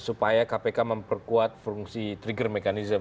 supaya kpk memperkuat fungsi trigger mechanism